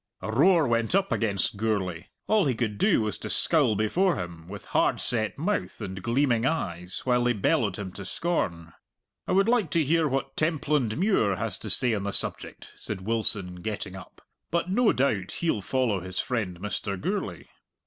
A roar went up against Gourlay. All he could do was to scowl before him, with hard set mouth and gleaming eyes, while they bellowed him to scorn. "I would like to hear what Templandmuir has to say on the subject," said Wilson, getting up. "But no doubt he'll follow his friend Mr. Gourlay."